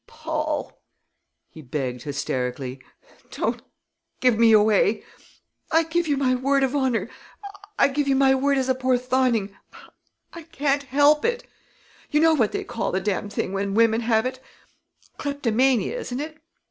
"Paul," he begged hysterically, "don't give me away! I give you my word of honor I give you my word as a Porthoning I can't help it! You know what they call the damned thing when women have it kleptomania, isn't it?